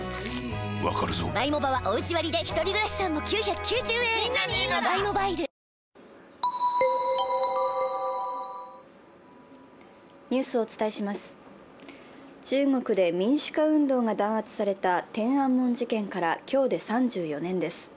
わかるぞ中国で民主化運動が弾圧された天安門事件から今日で３４年です。